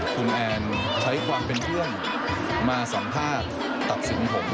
คุณแอนใช้ความเป็นเพื่อนมาสัมภาษณ์ตัดสินผม